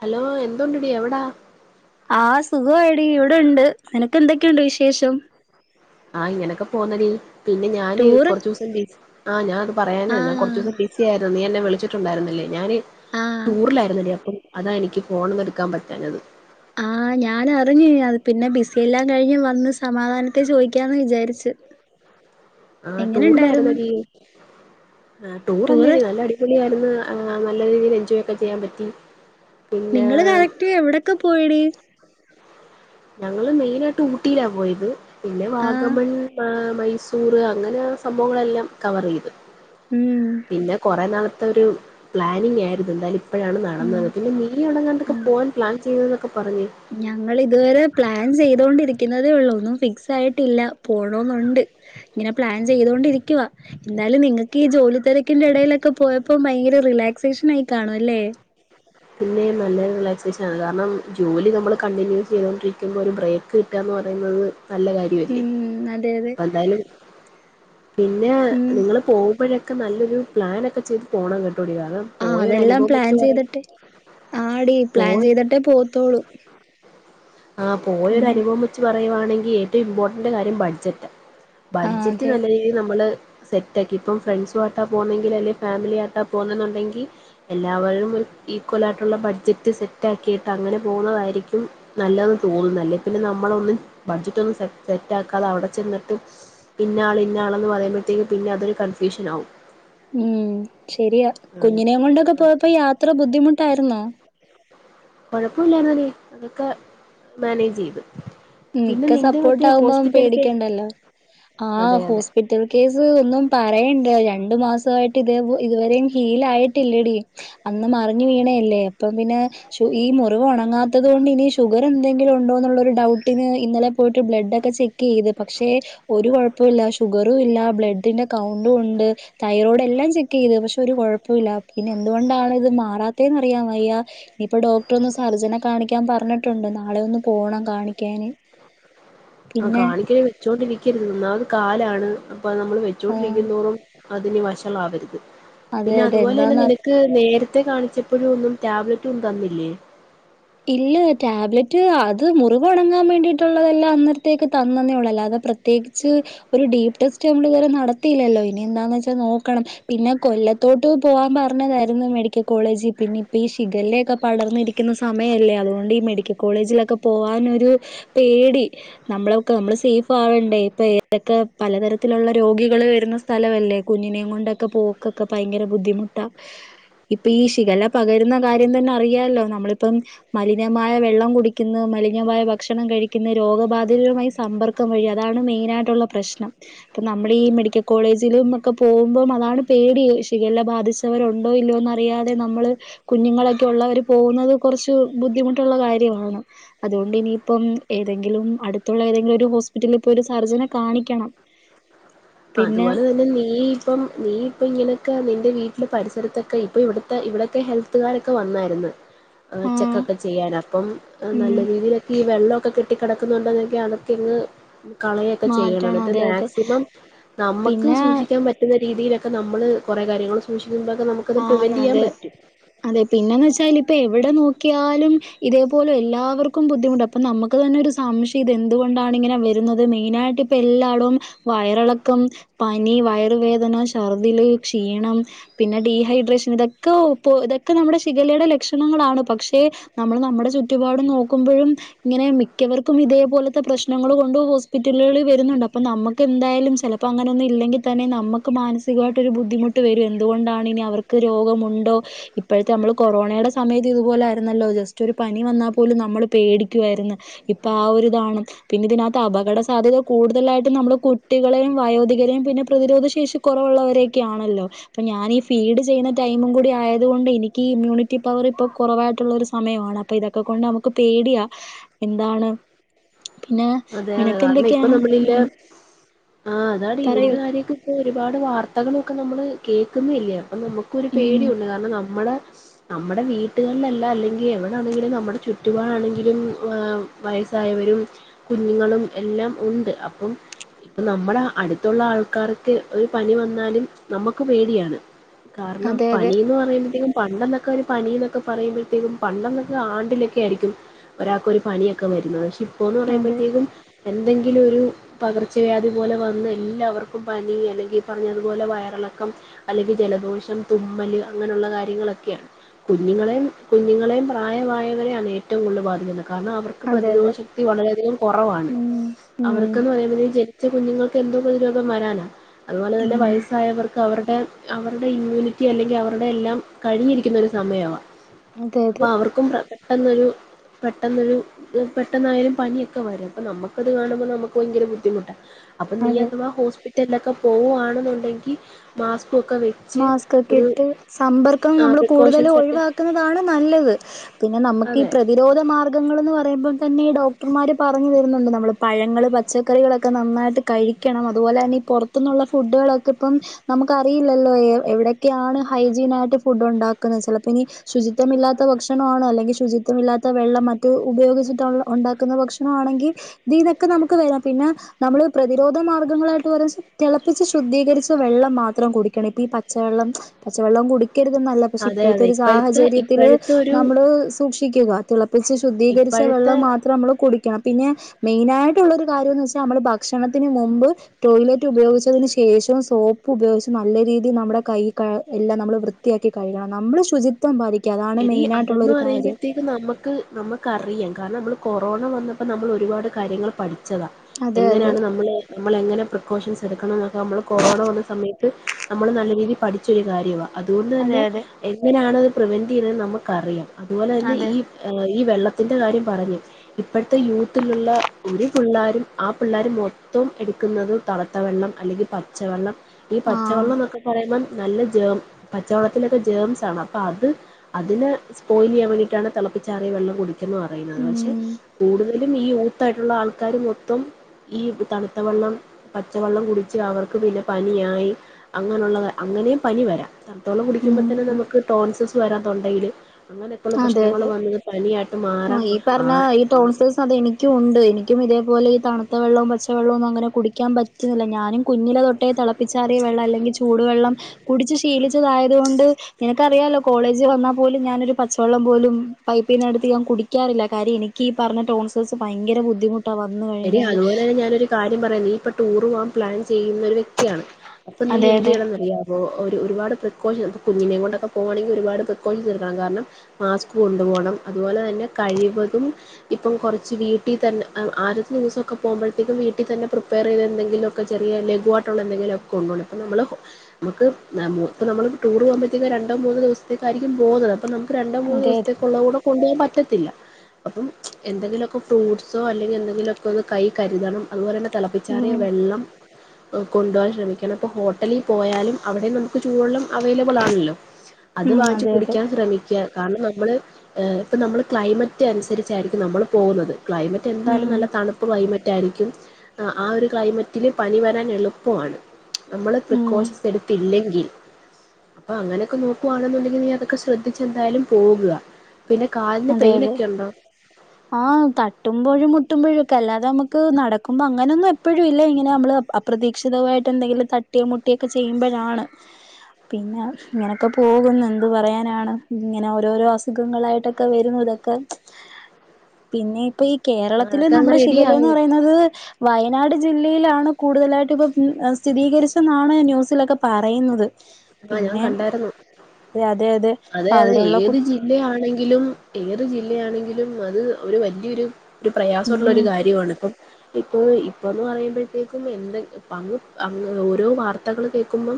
Hello എന്തതുണ്ടിടി എവിടാ ആ സുഖമായിട ഇവിടെണ്ട് നിനക്ക് എന്തൊക്കെയുണ്ട് വിശേഷം ആഹ് ഇങ്ങനെയൊക്കെ പോന്നല്ലീ പിന്നെ ഞാാന് ടൂറ് കൊറച്ച ദിവസം ആ ഞൻ പറയാനായി കുറച്ച ആഹ് ദിവസം ബിസി ആയിരുന്നു നീ എന്നെ വിളിച്ചിട്ടുണ്ടരുന്നില്ലേ ഞാാന് ആഹ് ടൂറിലായിരുന്നില്ലേ അപ്പം അതാ എനിക്ക് ഫോൺന്ന് എടുക്കാൻ പറ്റാഞ്ഞത് ആഹ ഞാൻ അറിഞ്ഞു അത് പിന്നെ ബിസി എല്ലാം കഴിഞ്ഞ് വന്ന് സമാധാനത്തെ ചോദിക്കാന്ന് വിചാരിച്ചു ആ എങ്ങനെ ഉണ്ടായിരുന്നു ടൂറിലായിരുന്നീ ആ ടൂറ് ടൂറല്ലേടിീ നല്ല അടിപൊളിയായിുന്ന നല്ല രീതിയിൽ എൻജോയ് ഒക്കെ ചെയ്യാൻ പറ്റി പിന്നെ നിങ്ങള് കറക്റ്റ് എവിടെൊക്കെ പോയിട് ഞങ്ങള് മെയിന ആയിട്ട് ഊട്ടിയിലാ പോയത് പിന്നെ ആഹ് വാഗമൺ മൈസൂർ അങ്ങനെ സംഭവങ്ങളെല്ലാം കവർ ചെയ്ത് ഉം പിന്നെ കൊറെ നാളത്തെ ഒരു പ്ലാനിങ് ആയിരുന്നു എന്താലും എപ്പോഴാണ് ഉം നടന്നത് പിന്നെ മീരി ഉടങ്ങാതൊക്കെ പോവാൻ പ്ലാൻ ചെയ്ത ഞങ്ങൾ ഇതുവരെ പ്ലാൻ ചെയ്തോണ്ടി ുന്നതേ ഉള്ളൂ ഒന്നും ഫിക്സ് ആയിട്ടില്ല പോണന്നുണ്ട് ഇങ്ങനെ പ്ലാൻ ചെയ്തൊണ്ടിരിക്കുവ എന്തായാലും നിങ്ങക്ക് ഈ ജോലി തിരക്കിന്റെ ഇടയിലൊക്കെ പോയപ്പോ ഭയങ്കര റിലാക്സേഷൻ ആയി കാണും അല്ലേ പിന്നെ നല്ലൊരു റിലാക്സേഷൻണ് കാരണം ജോലി നമ്മൾ കണ്ടിന്യൂ ചെയ്തൊണ്ടിരിക്കുമ്പോ ഒരു ബ്രേക്ക് കിാ പറയുന്നത് നല്ല കാര്യല്ലേ ഉം അതെ അതെ അപ്പ എന്തായാലും പിന്നെ ഉം നിങ്ങള്ൾ പോകുമ്പോഴൊക്കെ നല്ലൊരു പ്ലൻൊക്കെ ചെയ്ത് പോണം കേട്ടും പോയൊ ഒരുരനുഭവം വെച്ച്ു പറ ആടിീ പ്ലാൻ പോയ ചെയ്തിട്ടേ പോത്തോളൂ ആ പോയൊ ഒരു അനുഭവം വച്ച് പറയവാണെങ്കിൽ ഏറ്റവും ഇമ്പോർട്ടൻറ് കാര്യം ബഡ്ജറ്റ് ആഹ് ബഡ്ജറ്റ് അതെ നല്ല രീതിയിൽ നമ്മള് സെറ്റ്ക്കി ഇപ്പം ഫ്രണ്ട്സു ആമായിട്ടാ പോകുന്നെങ്കിൽ അല്ലെങ്കിൽ ഫാമിലിയ ആയിട്ടാ പോകുന്നെന്നുണ്ടെങ്കിൽ എല്ലാവരും ഒരു ഈക്വലായിയിട്ടുള്ള ബഡ്ജറ്റ് സെറ്റ് ആക്കിയിട്ട് അങ്ങനെ പോുന്നതായിരിക്കും നല്ലതെന്ന് തോന്നുന്നല്ലേ പിന്നെ നമ്മളൊന്നും ബഡ്ജറ്റ് ഒന്നും സെ സെറ്റ് ആക്കാതെ അവിടെ ചെന്നിട്ട് ഇന്നാൾ ഇന്നാളന്ന് പറയുമ്പോഴത്തേക്ക് പിന്നെ അതൊരു കൺഫ്യൂഷൻ ആകും ഉം ശരിയാ കുഞ്ഞിനെ കൊണ്ടൊക്കെ ആഹ് പോയപ്പോ യാത്ര ബുദ്ധിമുട്ടായിരുന്നോ കൊഴപ്പമില്ലാരുന്നടി അതൊക്കെ മാനേജ് ചെയ്തു നിക്ക സപ്പോർട്ട് ആാവുമ്പോം പേടിക്കണ്ടല്ലോ ആ അതെ അതെ ഹോസ്പിറ്റൽ കേസ് ഒന്നും പറയണ്ട രണ്ടു മാസമായിട്ട് ഇതേ ഇതുവരെയും ഹീലായിട്ടില്ലടി അന്ന് മറിഞ്ഞു വീണല്ലേ അപ്പം പിന്നെ ഈ മുറിവ് ഉണങ്ങാത്തത് കൊണ്ട് ഇനി ഷുഗർ എന്തെങ്കില ഉണ്ടോ എന്നുള്ളരു ഡൗട്ട് ഇന്നലെ പോയിട്ട് ബ്ലഡ് ഒക്കെ ചെക്ക് ചെയ്ത് പക്ഷെ ഒരു കുഴപ്പമ ഇില്ല ഷുഗറും ഇല്ല ബ്ലഡിന്റെ കൗണ്ടണ്ട് തൈറോയ്ഡ് എല്ലാം ചെക്ക് ചെയ്ത് പക്ഷെ ഒരു കുഴപ്പില്ല പിന്നെ എന്തുകൊണ്ടാണ് ഇത് മാറാത്ത റിയാം വയ്യ ഇയിപ്പൊ ഡോക്ടർ ഒ സർജനെ കാണിക്കാൻ പറഞ്ഞിട്ടുണ്ട് നാളെ ഒന്ന് പോണം കാണ ക്കാന് ആ കാണിക്കേ വെച്ചോണ്ടിരിക്കരുത് ഒന്നാമത് കാലാണ് അപ്പൊ നമ്മള് ആഹ് വെച്ചോണ്ടിരിക്ക തോറും അതിന് വശളാവരുത് അതെ പിന്നെ അതെ അതുപോലെ തന്നെ എന്താന്നറി നിനക്ക് നേര ത്തെ കാണിച്ചപ്പോഴും ഒന്നും ടാബ്ലറ്റ് ഉണ്ടന്നില്ലേ ഇല്ല ടാബ്ലറ്റ് അത് മുറിവ് അടങ്ങാൻ വേണ്ടിട്ടുള്ളതെല്ലാം അന്നരത്തേക്ക് തന്നന്നേ ഉള്ളല്ല അത പ്രത്യേകിച്ച് ഒരു ഡീപ് ടെസ്റ്റ് നമ്മൾ ഇതുവരെ നടത്തില്ലല്ലോ ഇനി എന്താന്ന് വെച്ചാൽ നോക്കണം പിന്നെ എല്ലത്തോട്ട് പോവാാൻ പറഞ്ഞതായിരുന്നു മെഡിക്കൽ കോളേജ് പിന്നെ ഇപ്പ ഈ ശിഖലൊക്കെ പടർന്നിരിക്കുന്ന സമയല്ലേ അതുകൊണ്ട് ഈ മെഡിക്കൽ കോളേജിലൊക്കെ പോകാനൊരു പേടി നമ്മളൊക്കെ നമ്മൾ സേവ് ാവണ്ടേ ഇപ്പൊ ഇഏതൊക്കെ പലതരത്തിലുള്ള രോഗികൾ വരുന്ന സ്ഥലമല്ലേ കുഞ്ഞിനെയും കൊണ്ടൊക്കെ പോ തക്കെ ഭയങ്കര ബുദ്ധിമുട്ടാ ഇപ്പൊ ഈ ഷിഖല്ല പകരുന്ന കാര്യം തന്നെ അറിയാല്ലോ നമ്മളി ഇപ്പം മലിനമായ വെള്ളം കുടിക്കുന്ന മലിനമായ ഭക്ഷണം കഴിക്കുന്ന രോഗബാധിതരുമായി സമ്പ അതാണ് മെയിൻായിയിട്ടുള്ള പ്രശ്നം ഇപ്പ നമ്മള് ഈ മെഡിക്കകോളേജിലിന്ന് ഒക്കെ പോകുമ്പോൾ അതാണ് പേ ടി ഷികല്ല ബാധിച്ചവരുണ്ടോ ഇല്ലയോന്നറിയാതെ നമ്മള് കുഞ്ഞുങ്ങളൊക്കെ ഉള്ളവര് പോകുന്നത് കുറച്ച് ബുദ്ധിമുട്ടുള്ള കാര്യമാണ് അതുകൊണ്ട് ഇനിയിപ്പം ഏതെങ്കിലും അടുത്തുള്ള ഏതെങ്കിലു ഒരു ഹോ ഹോസ്പിറ്റലിൽ പോയി ഒരു സർജനെ കാണിക്കണം പിന്നെ അതുപോലെ തന്നെ നീ ഇപ്പം നീ ഇപ്പ ഇങ്ങനെയൊക്കെ നിന്റെ വീട്ടിൽ [unintelligible] പരിസരത്തൊക്കെ ഇപ്പൊ ഇവിടത്തെ ഇവിടത്തെ ഹെൽത്തുകാരൊക്കെ വന്നായിരുന്നു ആഹ് ചെക്കൊക്കെ ചെയ്യാൻ അപ്പം നല്ല ഉം രീതിയിലൊക്കെ ഈ വെള്ളമൊക്കെ കി കട്ടിക്കിടക്കുന്നുണ്ടെങ്കിൽ അതൊക്കെ ഇങ്ങ് കളയൊക്കെ ചെയ്യണം മാറ്റണം എന്നിട്ട് അതെ അതെ മാക്സിമം നമുക്ക് പിന്നെ സൂക്ഷിക്കാൻ പറ്റുന്ന രീതിയിലൊക്കെ നമ്മള് കൊറെ കാര്യങ്ങൾ സൂക്ഷി ആന്ന് അതെ അതെ പിന്നെന്ന് വെച്ചാല് ഇപ്പേ എവിടെ നോക്കിയാലും ഇതേപോലെ എല്ലാവർക്കും ബുദ്ധിമുട്ട് അപ്പൊ നമുക്ക് തന്നെ ഒരു സംശയം ഇതെന്തു [unintelligible] ചർദിൽ ക്ഷീണം പിന്നെ ഡീഹൈഡ്രേഷൻ ഇതൊക്കെ ഷിഗലയുടെ ലക്ഷണാണ് പക്ഷെ നമ്മൾ നമ്മുടെ ചുറ്റുപാട് നോക്കുമ്പോഴും ഇങ്ങനെ മിക്കവർക്കും ഇതേപോലത്തെ പ്രശ്നങ്ങൾ കൊണ്ട് ഹോസ്പ നമുക്ക് എന്തായാലും ചിലപ്പോ അങ്ങനൊന്നില്ലെങ്കിതന്നെ നമുക്ക് മാനസികമായിട്ട് ഒരു ബുദ്ധിമുട്ട വരും എന്തുകൊണ്ടാ ഇനിയവർക്ക് രോഗമുണ്ടോ ഇപ്പോഴത്തെ നമ്മൾ കൊറോണയുടെ സമയത്ത് ഇതുപോലെ ആരുന്നല്ലോ ജെസ്റ്റൊരു പനി വന്നാ ന്നപോലും നമ്മള് പേടിക്കുവായിരുന്നു ഇപ്പൊ ആഒരിതാണ് പിന്നെ ഇതിനകത്ത് അപകട സാധ്യത കൂടുതലായിട്ട് പ്പന്നമ്മള് കുട്ടികളേം വയോധികരെയും പിന്നെ പ്രതിരോധ ശേഷി കുറവുള്ളവരെയൊക്കെയാണല്ലോ പ്പഞാനി ഫീഡ് ചെയ്യുന്നടൈും കൂടി ആയാല അതുകൊണ്ട് എനിക്ക് ഇമ്യൂണിറ്റി പവർ ഇപ്പൊ കുറവായിട്ടുള്ള ഒരു സമയമാണ് അപ്പൊ ഇതൊക്കെ കൊണ്ട് നമുക്ക് പേടിയാ എന്താണ് പിന്നെ അതെ അതെ നിനക്ക് കാരണം ഇപ്പൊ എന്തൊക്കെയാണ് നമ്മളില്ല ഉം ആഹ അതാണ് ഇതിന്റെ പറയൂ കാര്യൊക്ക ഇപ്പ ഒരുപാട് വാർത്തകളൊക്കെ നമ്മള് കേൾക്കുന്ന ഇില്ല അപ്പ നമുക്കൊരു ഉം പേടിയുണ്ട് കാരണം നമ്മുടെ നമ്മുടെ വീട്ടുകളിലല്ലാം അല്ലെങ്കിൽ എവിടൊണെങ്കിലും നമ്മുടെ ചുറ്റുപാടാണെങ്കിലും വയസ് തായവരും കുഞ്ഞുങ്ങളും എല്ലാം ഉണ്ട് അപ്പം നമ്മുടെ അടുത്തുള്ള ആൾക്കാർക്ക് ഒരു പനി വന്നാലും നമ്മുക്ക് പേടിയാണ് കാരണം അതെ അതെ പനി എന്ന് പറയുമ്പോഴത്തേക്കും പണ്ടെന്നൊക്കെ ഒരു പനി എന്നൊക്കെ പറയുമ്പോഴത്തേക്കും പണ്ടെന്നൊക്കെ ആണ്ടിലൊക്കെ ആയിരിക്കും ഒരാക്കൊരു പനിയൊക്കെ വരുന്നത് പക്ഷെ ഇപ്പോ ന്ന് അതെ പറയുമ്പോഴത്തേക്കും എന്തെങ്കിലും ഒരു പകർ ച്ചവ്യാധി പോലെ വന്ന് എല്ലാവർക്കും പനി അല്ലെങ്കിൽ പറഞ്ഞതുപോലെ വയറിളക്കം അല്ലെങ്കിൽ ജലദോഷം തുമ്മല് അങ്ങനെയുള്ള കാര്യങ്ങളൊക്കെയാണ് കുഞ്ഞുങ്ങളെയും കുഞ്ഞുങ്ങളെയും പ്രായമായായവരെയാണ് ഏറ്റവും കൂടുതൽ ബാധിക്കുന്നത് കാരണം അവർക്ക് അതെ പ്രതിരോധ അതെ ശക്തി വളരെയധികം കുറവാണ് ഉം ഉം അവർക്കെന്ന് പറയുമ്പ ജനിച്ച കുഞ്ഞുങ്ങൾക്ക് എന്തൊക്കെ ഒരു രോഗം വരാനാണ് അതുപോലെ തന്നെ ഉം വയസ്സായവർക്ക് അവരുടെ അവരുടെ ഇമ്മ്യൂണിറ്റി അല്ലെങ്കിൽ അവരുടെയ എല്ലാം കഴിഞ്ഞിരിക്കുന്ന ഒരു സമയവാ അതെ അതെ അപ്പൊ അവർക്കും പെട്ടെന്നൊരു പെട്ടെന്നൊരു പെട്ടെന്നായാലും പനിയൊക്കെ വരും അപ്പൊ നമുക്കത് കാണുമ്പോൾ നമുക്ക് ഭയങ്കര ബുദ്ധിമുട്ടാണ് അപ്പൊ നീ അതെ അഥവാ ഹോസ്പിറ്റലിലൊക്കെ പോവവാണെന്നുണ്ടെങ്കിൽ മാസ് മാസ്ക്കൊക്കെ ഇട്ട് സമ്പർക്കം നമ്മൾ കൂടുതൽ പ്രിക്കോഷൻസ് ഒക്കെ ഒഴിവാക്കുന്നതാണ് നല്ലത് പിന്നെ നമുക്ക് ഈ അതെ പ്രതിരോധ മാർഗ്ഗങ്ങന്ന് പറയുമ്പോം തന്നെ ഡോക്ടർമാർ പറഞ്ഞു തരുന്നുണ്ട് നമ്മൾ പഴങ്ങൾ പച്ചക്കറികളൊക്കെ നന്നായിട്ട് കഴിക്കണം അതുപോലെ തന്നെ പുറത്തന്നുള്ള ഫുഡൊക്കെ ഇപ്പംനമു ലല്ലോ എവിയൊക്കെയാണ് ഹൈജീൻ ആയിട്ട് ഫുഡ് ഉണ്ടാക്കുന്നത് ചിലപ്പോ ഇനി ശുചിത്വമില്ലാത്ത ഭക്ഷണമാണോ അല്ലെങ്കി ശുചിത്വ മില്ലാത്ത വെള്ളം മറ്റ് ഉപയോഗിച്ചിട്ടാ ഉണ്ടാക്കുന്ന ഭക്ഷണ ആണെങ്കിൽ ഇതീ നൊക്കെ നമുക്ക് പിന്നെ നമ്മള് പ്രതിരോധ മാർഗങ്ങളായിട്ട് തിളപ്പിച്ച് ശുദ്ധീകരിച്ച് വെള്ളം മാത്രം കുടിക്ക ഇപ്പ ഈ പച്ചവെള്ളം പച്ചവെള്ളം കുടി രുതെന്നല്ല പക്ഷെ അതെ ഇപ്പോഴത്തെ അതെ ഒരു ഇപ്പോഴത്തെ സാഹചര്യത്തിലാ ഇപ്പോഴത്തെ ഒരു നമ്മള് സൂക്ഷിക്കുക തിളപ്പിച്ച് ശുദ്ധീകരി ച്ച് ഇപ്പോഴത്തെ വെള്ളം മാത്രം നമ്മൾ കുടിക്കണം പിന്നെ മെയിനായിട്ട് മുള്ള കാര്യംന്ന് വെച്ചാൽ നമ്മൾ ഭക്ഷണത്തിന് മുമ്പ് ടോയ്ലറ്റ് ഉപയോഗിച്ചതിന് ശേഷവും സോപ്പ് ഉപയോഗിച്ച് നല്ല രീതിൽ നമ്മുടെ കൈ എല്ലാം നമ്മൾ വൃത്തിയാക്കി കഴുകണം നമ്മള് ശുചിത്വം പാലിക്കണം എടി അതന്ന് പറയുമ്പോഴത്തേക്ക് നമുക്ക് നമുക്കറിയാം കാരണം നമ്മള് കൊറോണ വന്നപ്പോ നമ്മൾ ഒരുപാട് കാര്യങ്ങൾ പഠിച്ചതാ അതെ അതെ എങ്ങനെയാണ് നമ്മള് നമ്മള എങ്ങനെ പ്രിക്കോഷൻസ് എടുക്കണം എന്നൊക്ക നമ്മള് കൊറോണ വന്ന സമയത്ത് നമ്മള് നല്ല രീതിയിൽ പഠിച്ചൊരു കാര്യമാണ് അതുകൊണ്ട് അതെ തന്നെ അതെ എങ്ങനെയാണത് പ്രിവെൻറ് ചെയ്യുന്നതെന്ന് നമുക്കറിയാം അതുപോലെ തന്നെ അതെ ഈ ഈ വെള്ളത്തിന്റെ കാര്യം പറഞ്ഞു ഇപ്പോഴത്തെ യൂത്തിലുള്ള ഒരു പിള്ളാരും ആ പിള്ളാരു മൊത് മൊത്തം എടുക്കുന്നതും തണുത്ത വെള്ളം അല്ലെങ്കിൽ പച്ചവെള്ളം ഈ ആഹ് പച്ചവെള്ളം എന്നൊക്കെ പറയുമ്പോ നല്ല ജേം പച്ചവെള്ളത്തിലൊക്കെ ജേംസ് ആണ് അപ്പൊ അത് അതിനെ സ്പോയിൽ ചെയ്യാൻ വേണ്ടിട്ടാണ് തിളപ്പിച്ചാറിയ വെള്ളം കുടിക്കണന്ന് പറയുന്നത് പക്ഷെ ഉം കൂടുതൽ ഈ യൂത്ത് ആയിട്ടുള്ള ആൾക്കാരു മൊത്തം ഈ തണുത്ത വെള്ളം പച്ചവെള്ളം കുടിച്ച് അവർക്ക് പിന്നെ പനിയായി അങ്ങനുള്ള അങ്ങനെയും പനി വരാം തണുത്ത വെള്ളം ഉം കുടിക്കുമ്പോൾ തന്നെ നമുക്ക് ടോൺസസ് വരാം തൊണ്ടയില് അങ്ങനെയൊക്കെയുള്ള അതെ അതെ പ്രശ്നങ്ങൾ വന്നത് പനിയായി ആ ഈ പറഞ്ഞ ഈ ടോൺസിൽസ് അതെനിക്കും ഉണ്ട് എനിക്കും ഇതേപോലെ തണുത്ത വെള്ളവും പച്ച വെള്ളവും അങ്ങനെ കുടിക്കാൻ പറ്റുന്നില്ല ഞാനും കുഞ്ഞിലെ തൊട്ടേ തെള പിച്ചാറിയ വെള്ളംഅല്ലെങ്കിൽ ചൂടു വെള്ളം കുടിച്ച് ശീലിച്ചതായതുകൊണ്ട് നിനക്കറിയാലോ കോളേജ് വന്നാ പോലും ഞാനൊരു പച്ചവെള്ളം പോലും പൈപ്പിൽ നിന്നെടുത്ത് ഞാൻ കുടിക്കാറില്ല കാര്യം എനിക്ക് ഈ പറഞ്ഞ ടോൺസഴ്സ് ഭയങ്കര ബുദ്ധിമുട്ട് എടി അതുപോലെ തന്നെ ഞാനൊരു കാര്യം പറയാ നീ ഇപ്പൊ ടൂർ പോവാൻ പ്ലാൻ ചെയ്യുന്ന ഒരു വ്യക്തിയാണ് അപ്പൊ നീ അതെ എന്ത് അതെ ചെയ്യണമെന്നറിയാമോ ഒരു ഒരുപാട് പ്രിക്കോഷൻ കുഞ്ഞിനേം കൊണ്ടൊക്കെ പോകുകയാണെങ്കിൽ ഒരുപാട് പ്രിക്കോഷൻ എടുക്കണം കാരണം മാസ്ക് കൊണ്ടു പോണം അതുപോലെ തന്നെ കഴിവതും ഇപ്പം കുറച്ച് വീട്ടിൽ തന്നെ ആഹ് ദിവസൊക്കെ പോകുമ്പോഴത്തേക്കും വീട്ടിൽ തന്നെ പ്രിപ്പയർ ചെയ്ത എന്തങ്കിലുമൊക്കെ ചെറിയ ലഘുവായിട്ടുള്ള എന്തെങ്കിലും ഒക്കെ കൊണ്ട് പോണം അപ്പോ നമ്മള് നമുക്ക് ഇ നമ്മൾ ടൂർ പോകുമ്പോഴത്തേക്ക രണ്ടോ മൂന്നോ ദിവസത്തേക്കായിരിക്കും പോകുന്നത് അപ്പ രണ്ടോ മൂന്നോ അതെ അതെ ദിവസത്തേക്കുള്ളതും കൂടെ കൊണ്ട് പോയാ മതി പറ്റത്തില്ല അതും എന്തെങ്കിലുമൊക്കെ ഫ്രൂഡ്സോ അല്ലെങ്കിൽ എന്തെങ്കിലുമൊക്കെ ഒന്ന് കൈയ്യിൽ കരുതണം അതുപോലെ തന്നെ തെളപ്പിച്ചാറിയ ഉം വെള്ളം ഓ കൊണ്ടുപോവാൻ ശ്രമിക്കണം. അപ്പൊ ഹോട്ടലിൽ പോയാലും അവിടെ നമുക്ക് ചൂള്ളം അവൈലബിൾ ആണല്ലോ. അത് ഉം വാങ്ങിച്ച് അതെ അതെ കുടിക്കാൻ ശ്രമിക്ക. കാരണം നമ്മള് ഏ ഇപ്പ നമ്മൾ ക്ലൈമറ്റ് അനുസരിച്ചായിരിക്കും നമ്മൾ പോകുന്നത്. ക്ലൈമറ്റ് എന്തായാലും ഉം നല്ല തണ ക്ലൈമറ്റ ആയിരിക്കും. ആ ഒരു ക്ലൈമറ്റില് പനി വരാൻ എളുപ്പമാണ്. നമ്മള് ഉം പ്രിക്കോഷൻസ് എടുത്തില്ലെങ്കിൽ അപ്പൊ അങ്ങനെയൊക്കെ നോക്കുവാണെന്നുണ്ടെങ്കിൽ നീ അതൊക്കെ ശ്രദ്ധിച്ച എന്തായാലും പോക. പിന്നെ കാലിന് പൈനോകേണ്ടോ ആ തട്ടുമ്പോഴും മുട്ടുമ്പോഴും ഒക്കെ അല്ലാതെ നമുക്ക് നടക്കുമ്പോ അങ്ങനൊന്നും എപ്പോഴും ഇല്ല ഇങ്ങനെ നമ്മളെ അപ്ര പ്രതീക്ഷിതവമായിട്ട് എന്തെങ്കിലും തട്ടിയ മുട്ടിയൊക്കെ ചെയ്യുമ്പോഴാണ് പിന്നെ ഇങ്ങനൊക്കെ പോകുന്നു എന്ത് പറയാനാണ് ഇങ്ങനെ ഓരോരോ അസുഖങ്ങളായിട്ടൊക്കെ വരുന്ന ഇതൊക്കെ പിന്നെ ഇപ്പൊ ഈ ആ, കേരളത്തില് അതൊക്കെ അങ്ങ് നമ്മുടെ റെഡിയാ ശിഖല എന്ന് പറയുന്നത് വയ വയനാട് ജില്ലയിലാണ് കൂടുതലായിട്ടും ഇപ്പം ഉം സ്ഥിരീകരിച്ചെന്നാണ് ന്യൂസിലൊക്കെ പറയുന്നത്. ആ ഞാൻ പിന്നെ കണ്ടായിരുന്നു. അതെ അതെ അതെ അപ്പൊ അതെ അവിടെയുള്ള കു ഏത് ജില്ലയാണെങ്കിലും ഏത് ജില്ലയാണെങ്കിലും അത് ഒരു വലിയൊരു പ്രയാസമുള്ള ഉം ഒരു കാര്യമാണ് ഇപ്പം ഇപ്പ ഇപ്പ എന്ന് പറയുമ്പോഴത്തേക്കും എന്ത അങ്ങ് അ ഓരോ വാർത്തകൾ കേക്കുമ്പം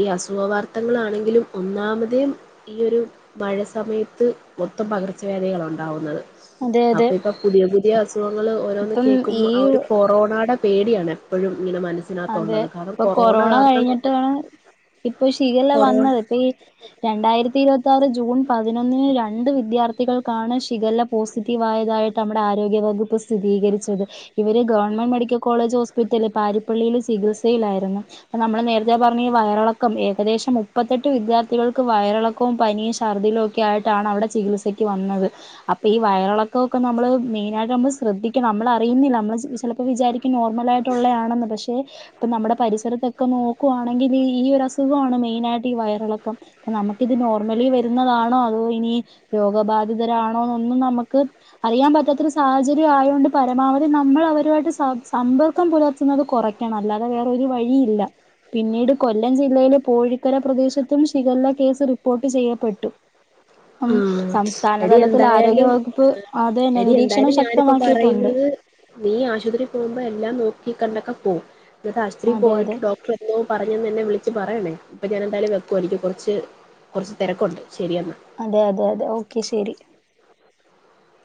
ഈ അസുഖ വാർത്തകളെങ്കിലും ഒന്നാമതും ഈ ഒരു മഴ സമയത്ത് മൊത്തം പകർച്ചവാദികളെ ഉണ്ടാകുന്നത്. അതെ അതെ അപ്പൊ ഇപ്പൊ പുതിയ പുതിയ അസുഖങ്ങൾ ഓരോന്ന് ഇപ്പം ഈ കേൾക്കുമ്പോ ആ ഒരു കൊറോണടെ പേടിയാണ് എപ്പോഴും ഇങ്ങനെ അതെ മനസ്സിനകത്തുള്ളത് കാരണം ഇപ്പൊ കൊറോണ കാരണം നമ്മെ കഴിഞ്ഞിട്ടാണ് ഇപ്പൊ ശീഖല്ല വന്നത് ഇപ്പൊ ഈ രണ്ടായിരത്തി ഇരുപത്ത ആറ് ജൂൺ പതിനൊന്നിന് രണ്ട് വിദ്യാർത്ഥികൾക്കാണ് ശിഖല പോസിറ്റീവ് ആയതായിട്ട് നമ്മുടെ ആരോഗ്യവകു പ്പ് സ്ഥിതീകരിച്ചത് ഇവരെ ഗവൺമെന്റ് മെഡിക്കൽ കോളജ് ഹോസ്പിറ്റല പ പള്ളിൽ ചികിത്സയിലായിരുന്നു. ഇപ്പൊ നമ്മള് നേരത്തെ പറഞ്ഞ വയറിളക്കം ഏകദേശം മുപ്പത്തെട്ട് വിദ്യാർത്ഥികൾ വയറിളക്കവും പനിയും ശർദിയിലും ഒക്കെ ആയിട്ടാണ് അവിടെ ചികിത്സക്ക് വന്നത് അപ്പൊ ഈ വയറിളക്കം നമ്മള് മെയിനായിട്ട് നമ്മള് ശ്രദ്ധിക്കണം നമ്മള് അറിയുന്നില്ല നമ്മള് ചെപ്പോൾ വിചാരിക്കും നോർമലായിയിട്ടുള്ളതണെന്ന് പക്ഷെ പക്ഷെ ഇപ്പൊ നമ്മുടെ പരിസരത്തൊക്കെ നോക്കുവാണെങ്കിൽ ഈ ഒരു അസുഖമാണ് മെയിനായിട്ട് ഈ വയറിളക്കം നമുക്കിത് നോർമലി വരുന്നതാണോ അതോ ഇനി രോഗബാധിതരാണോ എന്നൊന്നും നമുക്ക്- അറിയാൻ പറ്റാത്തൊരു സാഹചര്യം ആയൊണ്ട് പരമാവധി നമ്മള് അവരുമായിട്ട് സ സമ്പർക്കം പുലർത്തുന്നത് കൊറയ്ക്കും ണം അല്ലാതെ വേറൊരു വഴിയില്ല പിന്നീട് കൊല്ലം ജില്ലയിലെ പോഴിക്കര പ്രദേശത്തും ഷിഗല്ല കേസ് റിപ്പോർ്ട്ട് ചെയ്യപ്പെട്ടു ഉം സംസ്ഥാന എടി തലത്തിൽ എന്തായാലും ആരോഗ്യ വകുപ്പ് അത് തന്നെ എടി നിരീക്ഷണം എന്തായാലും ഞാനിപ്പോ ശക്തമാക്കിയിട്ടുണ്ട് പറയുന്നത് നീ ആശുപത്രിയിൽ പോകുമ്പോ എല്ലാം നോക്ക- നോക്കി കണ്ടൊക്കെ പോ എന്നിട്ട് ആശുപത്രിയിൽ അതെ അതെ പോയിട്ട് ഡോക്ടറെ എന്തോ പറഞ്ഞെന്ന് എന്നെ വിളു പറയണേ ഇപ്പൊ ഞാൻ എന്തായാലും വെക്കുവാ എനിക്ക് കൊറച്ച് കൊറച്ച് തെരക്കുണ്ട് ശരിയെന്നാ അതെ അതെ അതെ ഓക്കെ ശെരി [inaudible]